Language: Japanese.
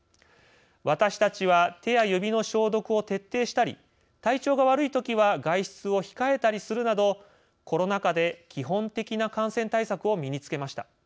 私たちは手や指の消毒を徹底したり体調が悪いときは外出を控えたりするなどコロナ禍で基本的な感染対策を身に着けました。